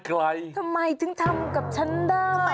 ทำไมถึงทำกับฉันได้